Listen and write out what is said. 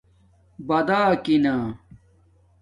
باداکینݳ